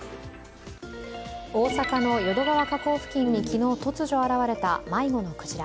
大阪の淀川河口付近に昨日、突如現れた迷子のクジラ。